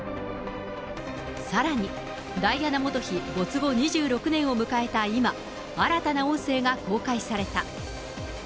さらに、ダイアナ元妃没後２６年を迎えた今、新たな音声が公開された。